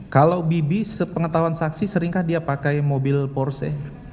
kalau bibi sepengetahuan saksi seringkah dia pakai mobil porse